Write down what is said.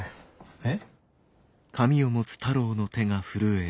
えっ？